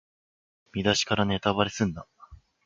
見だしからネタバレすんな